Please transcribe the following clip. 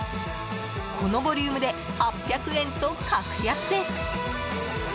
このボリュームで８００円と格安です。